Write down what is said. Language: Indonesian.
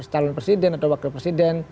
calon presiden atau wakil presiden